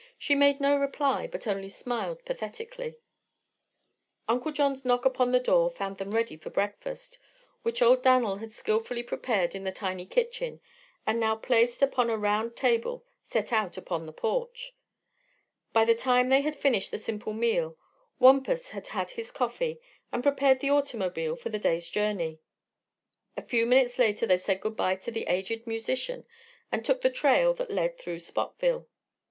She made no reply but only smiled pathetically. Uncle John's knock upon the door found them ready for breakfast, which old Dan'l had skilfully prepared in the tiny kitchen and now placed upon a round table set out upon the porch. By the time they had finished the simple meal Wampus had had his coffee and prepared the automobile for the day's journey. A few minutes later they said good bye to the aged musician and took the trail that led through Spotville.